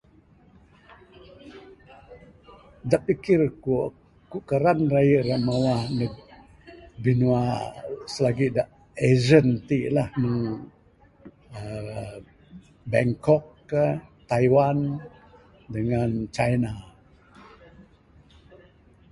Da pikir kuk, kuk kerang rayu rak mawah ndug binua, selagik da asian tik lah uhh. uhh Bangkok kah, Taiwan dengan China.